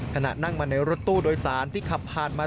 ขณะนั่งมาในรถตู้โดยสารที่ขับผ่านมา